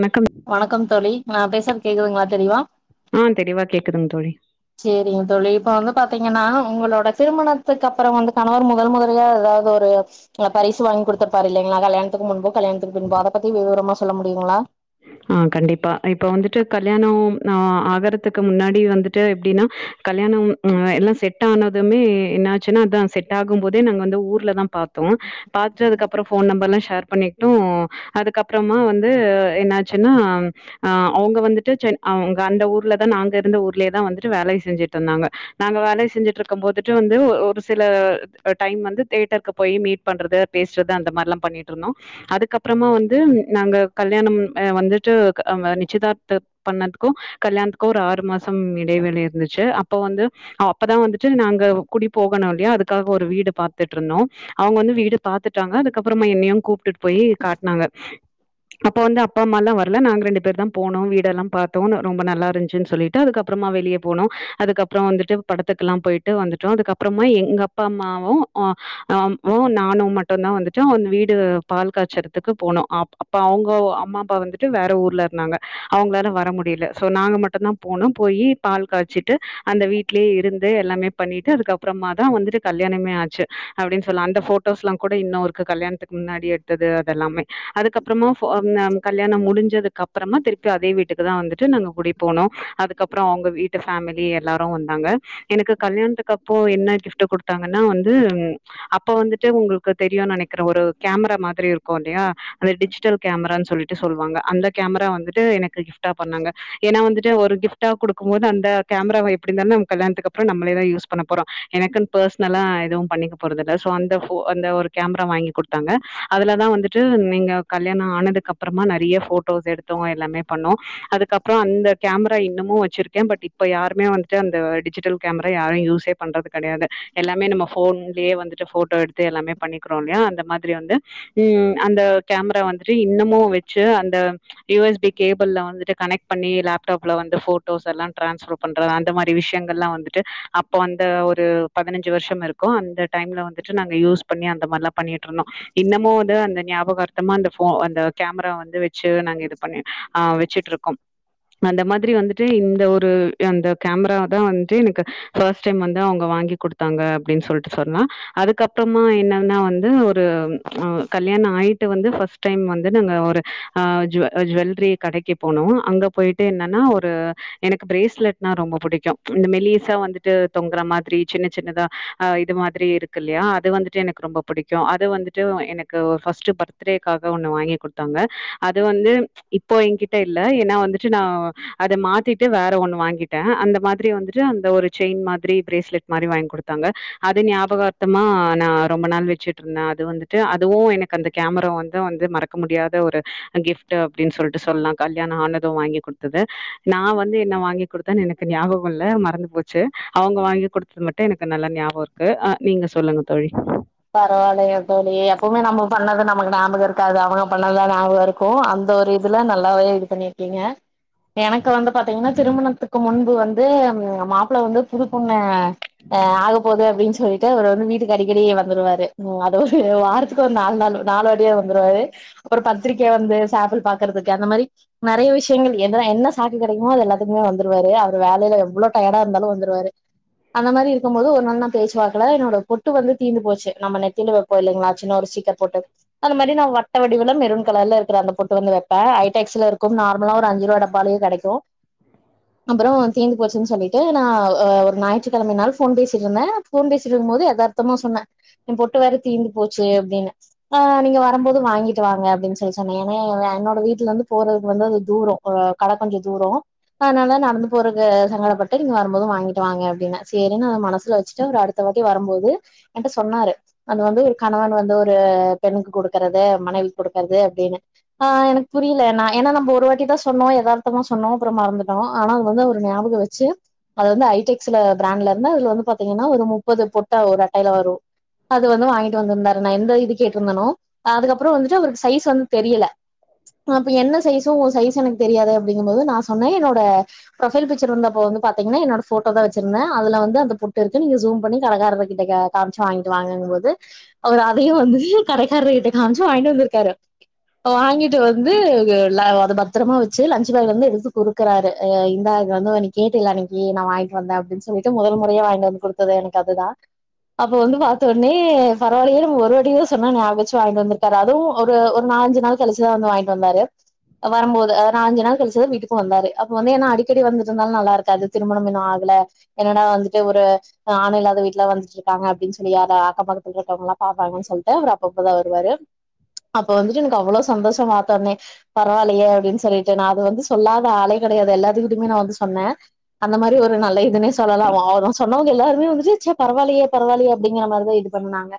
வணக்கம் வணக்கம் தோழி நா பேசறது கேக்குதுங்களா தெரியவா ஆ தெளிவா கேக்குதுங்க தோழி சேரிங்க தோழி இப்ப வந்து பாத்தீங்கன்னா உங்களோட திருமணத்துக்கு அப்புறோ வந்து கணவர் முதல் முதலியா ஏதாவது ஒரு பரிசு வாங்கி குடுத்துருப்பாரு இல்லைங்களா கல்யாணத்துக்கு முன்பு கல்யாணத்துக்கு பின்பு அத பத்தி விவரம சொல் சொல்ல முடியுங்ளா ஆ கண்டிப்பா இப்ப வந்துட்டு கல்யாணோ நா ஆ ஆகறதுக்கு முன்னாடி வந்துட்டு எப்டின்னா கல்யாணம் அ எல்லாம் செட் ஆனதுமே என்ன ஆச்சுன்னா அதான் செட் ஆகும் போதே நாங்க வந்து ஊர்லதா பாத்தோ பாத்து அதுக்கப்புறம் போன் நம்பர் எல்லாம் ஷேர் பண்ணிட்டோ அதுக்கப்பறமா வந்து என்னச்சுன்னா அ அவுங்க வந்துட்டு சென் அவுங்க அந்த ஊர்ல தா நாங்க இருந்த ஊர்லயே தா வந்துட்டு வேலை செஞ்சுட்டு இருந்தாங்க நாங்க வேலை செஞ்சுட்டு இருக்கும் போதுட்டு வந்து ஒரு சில டைம் வந்து தேட்டருக்கு போய் மீட் பண்றது பேசுறது அந்த மாரிலா பண்ணிட்டு இருந்தோ அதுக்கப்பறமா வந்து நாங்க கல்யாணம் வந்துட்டு நிச்சிதார்த்த பண்ணதுக்கும் கல்யாணத்துக்கும் ஒரு ஆறு மாசம் இடைவெளி இருந்துச்சு அப்போ வந்து அப்பதான் வந்துட்டு நாங்க குடி போகணுமலையா அதுக்காக ஒரு வீடு பாத்துட்டு இருந்தோ அவுங்க வந்து வீடு பாத்துட்டாங்க அதுக்கப்புறமா என்னையும் கூப்ட்டுட்டு போய் காட்னாங்க அப்ப வந்து அப் அப்பா அம்மலா வர்ல நாங்க ரெண்டு பேர் தான் போனோ வீடெல்லாம் பார்த்தோ ரொம்ப நல்லா இருந்துச்சுன்னு சொல்லிட்டு அதுக்கப்பறமா வெளியே போனோம் அதுக்கப்புறம வந்துட்டு படத்துக்கு எல்லாம் போயிட்டு வந்துட்டோ அதுக்கப்பறமா எங்க அப்பா அம்மாவு ம் அம்மாவு நானும் மட்டும் தா வந்துட்டு வீடு பால் காய்சறத்துக்கு போனோ அப்ப அவுங்க அம்மா வந்துட்டு வேற ஊர்ல இருந்தாங்க அவுங்களால வர முடியல சொ நாங்க மட்டும் தா போனோம் போயி பால் காய்ச்சுட்டு அந்த வீட்லய இருந்து எல்லாமே பண்ணிட்டு அதுக்அப்புறமா தான் வந்துட்டு கல்யாணமே ஆச்சு அப்டினு சொல்லு அந்த போட்டோஸ்லாம் கூடஇன்னு இருக்கு கல்யாணத்துக்கு முன்னாடி எடுத்ததுஅதெல்லாமே அதுக்கப்பறமா அ ம்ம் கல்யாணம் முடிஞ்சதுக்கு அப்புறமா திருப்பி அதே வீட்டுக்கு தான் வந்துட்டு நாங்க குடி போனோம் அதுக்கப்பறோ அவங்க வீட்டு ஃபேமிலி எல்லாரும் வந்தாங்க எனக்கு கல்யாணத்துக்கு அப்பறோ என்ன கிஃப்ட் கொடுத்தாங்கன்னா வந்து அப்போ வந்துட்டு உங்களுக்கு தெரியும்னு நெனைக்கிறே ஒரு கேமரா மாதிரி இருக்கும் இல்லையா அந்த டிஜிட்டல் கேமரானு சொல்லிட்டு சொல்வாங்க அந்த கேம்ரா வந்துட்டு எனக்கு கிஃப்ட்டா பண்ணாக ஏன்னா வந்துட்டு ஒரு கிஃப்ட்டா குடுக்கும் போது அந்த கேமரா வ எப்டிரிந்தாலும் நம் கல்யாணத்துக்கு அப்புறம் நம்மலேத யூஸ் பண்ண போறோ எனக்கு பர்ஸ்னால எதும் பண்ணிகபோரதுல்லா சோ அந்த ஒரு கேம்ரா வாங்கிக்கொடுத்தாங்க அதுல தான் வந்துட்டு எங்க கல்யாணம் ஆனதுக்கு அப் அப்பறமா நெறைய போட்டோஸ் எடுத்தோ எல்லாமே பண்ணோ அதுக்கப்புறம் அந்த கேமரா இன்னமும் வச்சிருக்கே பட் இப்ப யாருமே வந்துட்டு அந்த டிஜிட்டல் கேமரா யாரும் யூஸே பண்றதுக் கெடையாது எல்லாமே நம்ம போன் வந்துட்டு போட்டோ எடுத்து எல்லாமே பண்ணிக்கிறோலய அந்த மாதிரி வந்து ம் அந்த கேமரா வந்துட்டு இன்னுமு வச்சு அந்த யுஎஸ்பி கேபில்ல வந்துட்டு கனைட் பண்ணி லோப்டாப் லா வந்து போட்டோஸ் எல்லாம் டிரான்ஸ்ப்ரோ பண்றது அந்த மாரி விஷயேங்களாம் வந்துட்டு அப்போ வந்து ஒரு பத்தினச்சுவருசம் இருக்கும் அந்த டைம்ல வந்துட்டு நாங்க யூஸ் பண்ணி அந்த மாரிலாம் பண்ணிட்டு இருந்தோ இன்னமு வந்து அந்த ஞாபக அர்த்தமா அந்த போ அந்த கேமரா வந்து வச்சு நாங்க இது பண்ணி் ஆ வச்சுட்டு இருக்கோம் அந்த மாதிரி வந்துட்டு இந்த ஒரு அந்த கேமரா தான் வந்துட்டு எனக்கு ஃபர்ஸ்ட் டைம் வந்து அவுங்க வாங்கி கொடுத்தாங்க அப்டின்னு சொல்ட்டு சொன்னா அதுக்கப்பறமா என்னன்னா வந்து ஒரு அ கல்யாண ஆயிட்டு வந்து ஃபஸ்ட் டைம் வந் நாங்க ஒரு ஜீவல்ரி கடைக்கு போனோம் அங்க போய்டு என்னன்னா ஒரு எனக்கு பிரேஸ்லட் நா ரொம்ப பிடிக்குக இந்த மெலிசா வந்துட்டு தொங்குற மாதிரி சின்ன சின்னதா இது மாதிரி இருக்குலயா அது வந்துட்டு எனக்கு ரெம்பா பிடிக்கூ அது வந்துட்டு எனக்கு ஃபஸ்ட்டு பர்த்டேகாக ஒன்னு வாங்கி கொடுத்தாங்க அது வந்து இப்போ என்கிட்ட இல்ல ஏன்னா வந்துட்டு நா அத மாத்திட்டு வேற ஒண்ணு வாங்கிட்டே அந்த மாதிரி வந்துட்டு அந்த ஒரு செயின் மாதிரி பிரேஸ்லெட் மாதிரி வாங்கி கொடுத்தாங்க அது ஞாபகார்த்தமா நா ரொம்ப நாள் வச்சுட்டு இருந்தே அது வந்துட்டு அதுவும் எனக்கு அந்த கேமரா வந்து வந்து மறக் மறக்க முடியாத ஒரு கிஃப்ட் அப்டின்னு சொல்ட்டு சொல்லலா கல்யாண ஆனதும் வாங்கி் கொடுத்தது நான் வந்து என்ன வாங்கி கொடுத்தேன்னு எனக்கு ஞாபகம் இல்ல மறந்து போச்சு அவுங்க வாங்கி கொடுத்தது மட்டும் எனக்கு நல்லா ஞாபகம் இருக்கு நீங்க சொல்லுங்க தோழி பரவாயில்லைங்க தோழி எப்பவுமே நம்ம பண்ணது நமக்கு ஞாபகம் இருக்காது அவங்க பண்ணதுதா ஞாபகம் இருக்கும் அந்த ஒரு இதுல நல்லாவே இது பண்ணியிருக்கீங்க எனக்கு வந்து பாத்தீங்கன்னா திருமணத்துக்கு முன் [unintelligible] வந்து மாப்பள்ள வந்து புதுப் பொண்ணு ஆகப்போது அப்டின்னு சொல்லிட்டு அவ வந்து வீட்டுக்கு அடிக்கடி வந்து வருவாரு அது ஒரு வாரத்துக்கு ஒரு நாழ்நாள் நாலுவாட்டி வந்துருவாரு ஒரு பத்திரிக்க வந்து சாம்பில் பாக்கறதுக்கு அந்த மாதிரி நெறைய விஷயங்கள் எனா என்ன சாக்கு கெடைக்குமோ அது எல்லாத்துக்குமே வந்துருவாரு அவர் வேலைல எவ்வளோ டயர்டா இருந்தாலும் வந்துருவாரு அந்த மாரி இருக்கும் போது ஒண்ணான பேசுவாக்ல என்னோட பொட்டு வந்து தீந்து போச் நம்ம நெத்தில வைப்போஇல்லைங்களா சின்ன ஒரு ஸ்டிகர் பொட்டு அந்த மாரி நா வட்ட வடிவுல மெருன் கலர் ல இருக்குற அந்த பொட்டு வந்து வப்பேன் ஐட்டஸ் ல இருக்கும் நார்மலா அஞ்சு ரூவா டப்பாளலையே கெடைக்கும் அப்புறம் தீந்துப் போச்சுன்னு சொல்லிட்டு நா ஒரு நாயிற்று கெழம நாள் போன் பேசிட்டுருந்தே போன் பேசிருக்கும்போது எதார்த்தமா சொன்னே என் பொட்டு வேற தீந்து போச்சு அப்டின்னு ஆ நீங்க வரும்போது வாங்கிட்டு வாங்க அப்டின்னு சொல்லி சொன்னேன் ஏன்னா என்னோட வீட்டுல இருந்து போறதுக்கு வந்து அது தூரொ கட கொஞ்சோ தூரொ அதனால நடந்து போறக்கு சங்கடப்பட்டு நீங்க வரும்போது வாங்கிட்டு வாங்க அப்படின்ன சேரினு அது மனசுல வச்சுட்டு ஒரு அடுத்த வாட்டி வரும்போது ஏண்டா சொன்னாரு அது வந்து ஒரு கணவன் வந்து ஒரு பெண்ணுக்கு கொடுக்கறத மனைவிக்கு கொடுக் அப்டின்னு ஆ எனக்கு புரில ஏன்னா நம்ம ஒரு வாட்டி தா சொன்னோ எதார்த்தமா சொன்னோ அப்பறோ மறந்துட்டோம் ஆனா அது வந்து ஒரு ஞாபக வச்சு அதவந்து ஐடெக்ஸ்ல பிராண்ட்ல இருந்து அதுல வந்து பாத்தீங்கன்னா ஒரு முப்பது பொட்டா ஒருஅட் அதுல வரு அது வந்து வாங்கிட்டு வந்திருந்தாரு நா எந்த இது கேட்டிருந்தேனோ அதுக்கப்புற வந்துட்டு அவருக்கு சைஸ் வந் தெரியல அப்ப என்ன சைசு உ சைசு எனக்கு தெரியாது அப்டிங்கும்போது நா சொன்னே என்னோட ப்ரொஃபைல் பிச்சர் வந்து அப்ப வந்து பாத்திங்கனா என்னோட ஃபோட்டோ தா வச்சிருந்தே அதுல வந்து அந்த பொட்டு இருக்கு நீங்க ஜூம் பண்ணி கடக்காரங்ககிட்ட காமிச்சு வாங்கிட்டு வாங்கங்கும் போது அவரு அதையு வந்து கடைக்காரர்கிட்ட காம்ச்சு வாங்கிட்டு வந்துருக்காரு வாங்கிட்டு வந்து ல அத பத்திரமா வச்சு லன்ச் பேக்ல இருந்து எடுத்து குடுக்குறாரு இந்தா வந்து ஒன்னு கேட்டில அன்னைக்கு நா வாங்கிட்டு வந்த அப்டின்னு சொல்லிட்டு முதல் முறையா வாங்கிட்டு வந்து குடுத்தது எனக்கு அதுதா அப்ப வந்து பாத்த உடனே பரவால்லையே ஒரு வாட்டி தா சொன்னோ ஞாபக வச்சு வாங்கிட்டு வந்திருக்காரு அதுவு ஒரு ஒரு நாளஞ்சு நாள் கழிச்சுதா வந்து வாங்கிட்டு வந்தாரு வரம்போது அது நாளஞ்சு நாள் கழிச்சுதா வீட்டுக்கு வந்தாரு அப்ப வந்து ஏன்னா அடிக்கடி வந்துட்ருந்தாலு நல்லா இருக்காது திருமணம் இன்னு ஆகல என்னன்னா வந்துட்டு ஒரு ஆணு இல்லாத வீட்டுல வந்துட்ரு காங்க அப்டின் சரி அத அக்கம்பக்கத்துல இருக்கவங்களா பாப்பாங்கன் சொல்ட்டு அவரு அப்பப்பதா வருவாரு அப்ப வந்துட்டு எனக்கு அவ்ளோ சந்தோஷோ பாத்தொன்னே பரவாலையே அப்டின்னு சொல்லிட்டு நா அத வந்து சொல்லாத ஆளே கெடையாது எல்லார்த் துகிட்டயுமே நா வந்து சொன்ன அந்த மாரி ஒரு நல்ல இதுனே சொல்லலா அவரு சொன்னவங்க எல்லாருமே வந்துட்டு ச்செ பரவால்லையே பரவாலையே அப்படிங்கிற மாதிரிதா இது பண்ணுனாங்க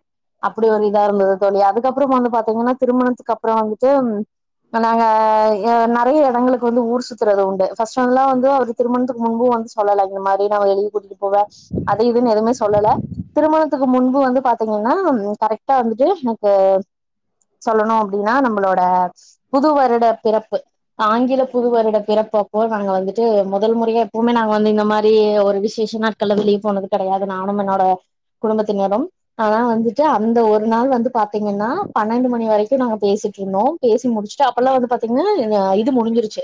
அப்படி ஒரு இதா இருந்துது தோழி அதுக்கப்புற வந்து பாத்தீங்கன்னா திருமணத்துக்கு அப்பற வந்துட்டு நாங்க எ நெறைய எடங்களுக்கு வந்து ஊர் சுத்தறது உண்டு ஃபஸ்ட்லா வந்து அவரு திருமணத்துக்கு முன்பு வந்து சொல்லல இந்த மாரி நா வெளிய கூட்டிட்டு போவே அது இதுன்னு எதுமே சொல்லல திருமணத்துக்கு முன்பு வந்து பாத்திங்கன்னா கரெக்ட்டா வந்துட்டு எனக்கு சொல்லணு அப்டினா நம்மளோட புது வருட பிறப்பு ஆங்கில புது வருட பிறப்பப்போ நாங்க வந்துட்டு முதல் முறையா இப்பவுமே நாங்க வந்து இந்த மாரி ஒரு விசேஷ நாட்கள்ல வெளிய போனது கெடையாது நானும் என்னோட குடும்பத்தினரும் ஆனா வந்துட்டு அந்த ஒரு நாள் வந்து பாத்திங்கன்னா பன்னெண்டு மணி வரைக்கு நாங்க பேசிட்ருந்தோ பேசி முடிச்சுட்டு அப்ப எல்லா வந்து பாத்திங்னா இது முடிஞ்சிருச்சு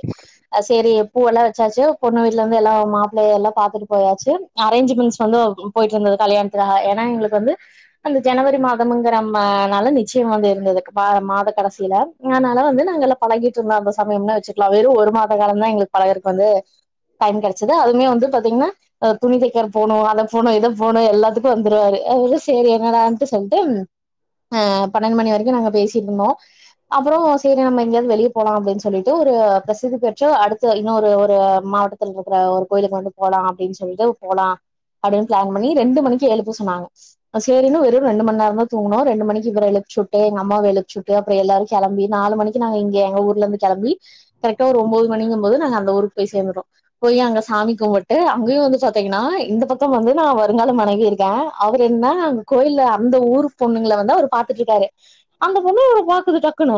சேரி பூவெல்லா வெச்சாச்சு பொண்ணு வீட்டுல இருந்து எல்லா மாப்ள்ளைய எல்லா பாத்துட்டு போயாச்சு அரேஞ்ச்மெண்ட்ஸ் வந்து போயிட்ருந்தது கல்யாண ஏனா எங்குளுக்கு வந்து அந்த ஜனவரி மாதம்ங்கிறமனால நிச்சய வந்து இருந்துது மாத மாத கடைசில அதனால வந்து நாங்கெல்லா பழகிட்ருந்த அந்த சமயம்னே வெச்சுக்கலா வெறு ஒரு மாத காலந்தா எங்குளுக்கு பழகறக்கு வந்து டைம் கெடைச்சது அதுமே வந்து பாத்திங்னா துணி தெக்கறதுக் போனு அத போணு இத போணு எல்லாத்துக்கு வந்துருவாரு அவுரு சரி என்னடான்ட்டு சொல்ட்டு அ பன்னண்டு மணி வரைக்கு நாங்க பேசிட்ருந்தோ அப்பொற சேரி நம்ம எங்கயாவது வெளிய போலா அப்படின்னு சொல்லிட்டு ஒரு பிரசித்தி பெற்ற அடுத்து இன்னொரு ஒரு மாவட்டத்துல் இருக்கற ஒரு கோயிலுக்கு வந்து போலா அப்டின்னு சொல்லிட்டு போலா அப்டின்னு பிளான் பண்ணி ரெண்டு மணிக் கு எழுப்ப சொன்னாங்க சேரினு வெரு ரெண்டு மண் நேரந்தா தூங்னோ ரெண்டு மணிக்கு அப்ற எழுப்ச்சுட்டு எங்க அம்மாவ எழுப்ச்சுட்டு அப்ற எல்லாரு கெளம்பி நாலு மணிக்கு நாங்க இங்க எங்க ஊர்ல இருந்து கெளம்பி கரெக்டா ஒரு ஒம்போது மணிங்கம்போது நாங்க அந்த ஊருக்கு போய் சேந்துட்ட போய் அங்க சாமி கும்பிட்டு அங்கயு வந்து பாத்திங்னா இந்த பக்க வந்து நா வருங்கால மனைவி தா அவுரு என்னா கோயில்ல அந்த ஊரு பொண்ணுங்கள வந்து அவுரு பாத்துட்ருக்காரு அந்த பொண்ணு இவர பாக்குது டக்குன்னு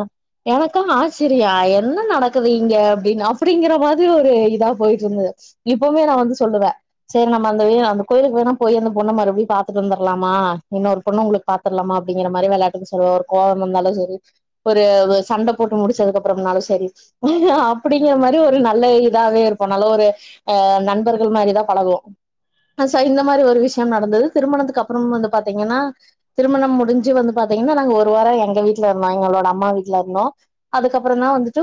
எனக்கா ஆச்சரிய என்ன நடக்குது இங்க அப்டின்னு அப்படிங்கற மாதிரி ஒரு இதா போயிட்ருந்துது இப்பவுமே நா வந்து சொல்லுவே சரி நம்ம அந்த வே அந்த கோயிலுக்கு வேணா போயி அந்த பொண்ண மறுப போய் பாத்துட்டு வந்தர்லாமா இன்னொரு பொண்ணு உங்குளுக்கு பாத்தர்லாமா அப்படிங்கிற மாரி வெளையாட்டுக்கு சொல்லுவோ ஒரு கோவம் வந்தாலு சரி ஒரு சண்ட போட்டு முடிச்சதுக்கப்றம்னாலு சரி அப்படிங்கிற மாரி ஒரு நல்ல இதாவே இருப்போ நல்ல ஒரு ஆ நண்பர்கள் மாரி தா பழகுவோசை இந்த மாரி ஒரு விஷயம் நடந்துது திருமணத்துக்கு அப்புறமு வந்து பாத்திங்கனா திருமணம் முடிஞ்சு வந்து பாத்திங்கனா நாங்க ஒரு வார எங்க வீட்டுல இருந்தோ எங்களோட அம்மா வீட்ல இருந்தோ அதுக்கப்புறந்தா வந்துட்டு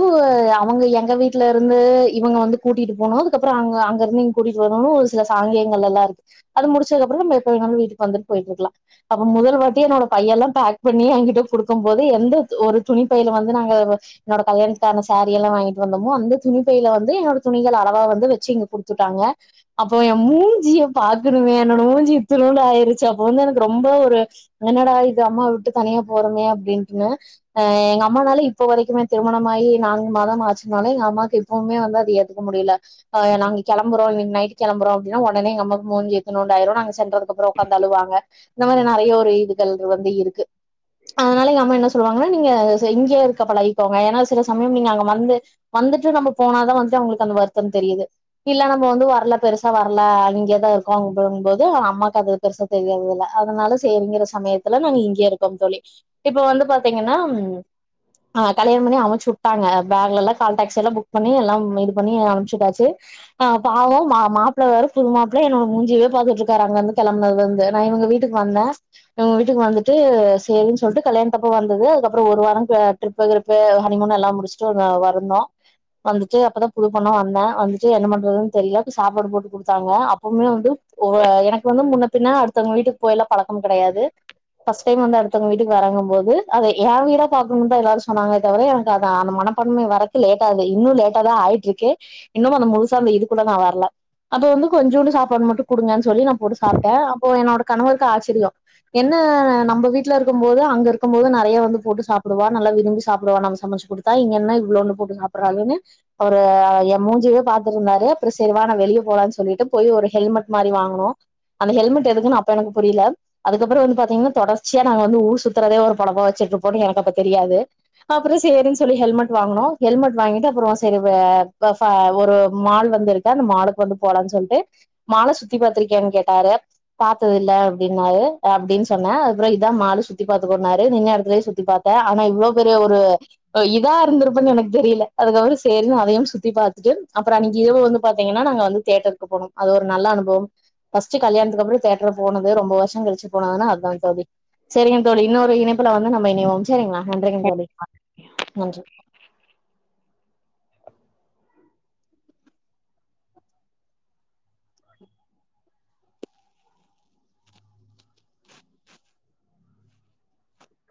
அவுங்க எங்க வீட்டுல இருந்து இவங்க வந்து கூட்டிட்டு போனு அதுக்கப்புற அங்க அங்க இருந்து இங்க கூட்டிட்டு வரணு ஒரு சில சாங்கியங்கள் எல்லா இருக் அது முடிச்சதுக்கப்புற நம்ம எப்ப வேணாலு வீட்டுக்கு வந்துட்டு போய்ட்டு இருக்கலா அப்ப முதல் வாட்டியு என்னோட பைய எல்லா பேக் பண்ணி எங்கிட்ட குடுக்கம் போது எந்த ஒரு துணி பைல வந்து நாங்க என்னோட கல்யாணத்துக்கான சாரி எல்லா வாங்கிட்டு வந்தமோ அந்த துணி பைல வந்து என்னோட துணிகள் அளவா வந்து வச்சு இங்க குடுத்துட்டாங்க அப்போ எ மூஞ்சிய பாக்கணுமே என்னோட மூஞ்சிய இத்துனூண்டு ஆயிருச்சு அப்ப வந்து எனக்கு ரொம்ப ஒரு என்னடா இது அம்மா விட்டு தனியா போறமே அப்படின்ட்டு அ எங்க அம்மானால இப்ப வரைக்குமே திருமணமாயி நான்கு மாதம் ஆச்சுனாலே எங்க அம்மாக்கு எப்பவுமே வந்து அது ஏத்துக்க முடில அ நாங்க கெளம்பறோ இன்னைக்கு நைட் கெளம்பறோ அப்டின்னா ஒடனே எங்கம்மாக்கு மூஞ்சி இத்துணூண்டாயிரு நாங்க சென்றது இந்த மாரி நறைய ஒரு ஈடுகள் வந்து இருக்கு அதனால எங்க அம்மா என்ன சொல்லுவாங்கன்னா நீங்க செஞ்சே இருக்க பழகிக்கோங்க ஏன்னா சில சமயம் நீங்க அங்க வந்து வந்துட்டு நம்ம போனாதா வந்துட்டு அவங்களுக்கு அந்த வருத்த தெரியுது இல்ல நம்ம வந்து வரல பெருசா வரல அங்கேதா இருக்கோங்கம்போது அம்மா அது பெருசா தெரியறதில்ல அதனால சேரிங்கிற சமயத்துல நாங்க இங்கயே இருக்கோம் தோழி இப்ப வந்து பாத்திங்கன்னா கல்யாணம் பண்ணி அனுப்ச்சுட்டாங்க பேக்ல எல்லா கால் டாக்ஸி லா புக் பண்ணி எல்லாம் இது பண்ணி அனுப்ச்சுட்டாச்சு பாவ மா மாப்ள வேற புது மாப்ள என்னோட மூஞ்சியவே பாத்துட்ருக்காரு அங்கருந்து கெளம்பனதுலருந்து நா இவுங்க வீட்டுக்கு வந்தே இவுங்க வீட்டுக்கு வந்துட்டு சரின்னு சொல்ட்டு கல்யாணத்தப்ப வந்தது அதுக்கப்புற ஒரு வார அ ட்ரிப்பு க்ரிப்பு ஹனிமூனு எல்லா முடிச்சுட்டு வந்தோ வந்துட்டு அப்பதா புது பொண்ணா வந்த வந்துட்டு என்ன பண்றதுனு தெரில ப்ப சாப்பாடு போட்டு குடுத்தாங்க அப்பவுமே வந்து எனக் கு வந்து முன்ன பின்ன அடுத்தவங்க வீட்டுக்கு போயெல்லா பழக்கம் கிடையாது ஃபஸ்ட் டைம் வந்து அடுத்தவங்க வீட்டுக்கு வரங்கம் போது அத எ வீடா பாக்கணுன்தா எல்லாரு சொன்னாங்களே தவிர எனக்கு அத அந்த மனப்பன்மை வரக்கு லேட்டாது இன்னு லேட்டா தா ஆயிட்ருக்கு இன்னும் அந்த முழுசா அந்த இதுக்குள்ள நா வரல அத வந்து கொஞ்சூன்டு சாப்பாடு மட்டு குடுங்கனு சொல்லி நா சாப்ட்டே அப்போ என்னோட கணவருக்கு ஆச்சரிய என்ன நம்ப வீட்ல இருக்கும் போது அங்க இருக்கும் போது நறைய வந்து போட்டு சாப்பிடுவா நல்லா விரும்பி சாப்பிடுவா நம்ம சமைச்சு குடுத்தா இங்க என்ன இவ்ளூண்டு போட்டு சாப்டறாளேன்னு அவரு எம்மூஞ்சியவே பாத்துட்ருந்தாரு அப்ற சரிவா நா வெளிய போலான்னு சொல்லிட்டு போய் ஒரு ஹெல்மெட் மாரி வாங்குனோ அந்த ஹெல்மெட் எதுக்குனு அப்ப எனக்கு புரில அதுக்கப்புற வந்து பாத்தீங்கனா தொடர்ச்சியா நாங்க வந்து ஊர் சுத்தறதே ஒரு பொழப்பா வெச்சுட்ருப்போனு எனக்கு அப்ப தெரியாது அப்ற சேரின்னு சொல்லி ஹெல்மெட் வாங்குனோ ஹெல்மெட் வாங்கிட்டு அப்புறமா சரி வ ச ஒரு மால் வந்துருக்கு அந்த மாலுக்கு வந்து போலான் சொல்ட்டு மால சுத்தி பாத்திருக் யான்னு கேட்டாரு பாத்ததில்ல அப்டின்னாரு அப்டின்னு சொன்ன அதுப்புற இதா மாலு சுத்தி பாத்துக்கோன்னாரு நின்ன எடத்துலயே சுத்தி பாத்த ஆனா இவ்ளோ பெரிய ஒரு இதா இருந்திருப்பன்னு எனக்கு தெரில அதுக்கப்புற சேரினு அதையும் சுத்தி பாத்துட்டு அப்புற அன்னைக்கு இரவு வந்து பாத்திங்கன்னா நாங்க வந்து தியேட்டருக்கு போனோ அது ஒரு நல்ல அனுபவம் ஃபஸ்ட் கல்யாணத்துக்கு அப்ற தியேட்டர் போனது ரொம்ப வருஷ கழிச்சு போனதுன்னா அதா தோழி சரிங்க தோழி இன்னொரு இணைப்புல வந்து நம்ம இணைவோம் சரிங்ளா நன்றிங்க தோழி நன்றி